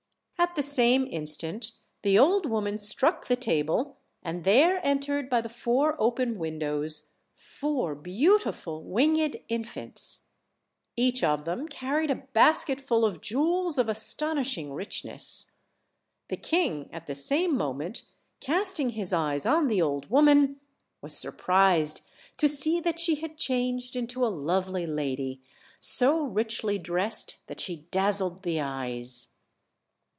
At the same instant the old woman struck the table, and there entered by the four open windows four beauti ful winged infants. Each of them carried a basketful of jewels of astonishing richness. The king at the same moment casting his eyes on the old woman, was surprised to see that she had changed into a lovely lady, so richly dressed that she dazzled the eyes.